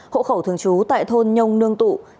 hộ khẩu thường trú tại thôn nhông nương tụ